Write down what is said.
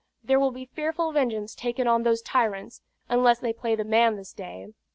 There will be fearful vengeance taken on those tyrants, unless they play the man this day.